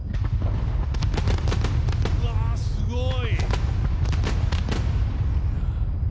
うわぁ、すごい！